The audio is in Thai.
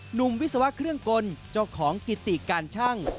วิศวะเครื่องกลเจ้าของกิติการชั่ง